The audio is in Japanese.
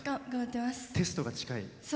テストが近い？